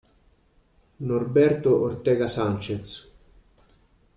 Norberto Ortega Sánchez